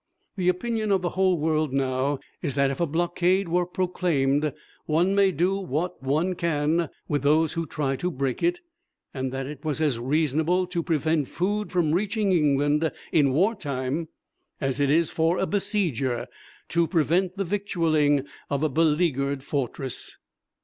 The opinion of the whole world now is that if a blockade were proclaimed one may do what one can with those who try to break it, and that it was as reasonable to prevent food from reaching England in war time as it is for a besieger to prevent the victualling of a beleaguered fortress.